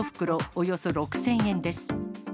およそ６０００円です。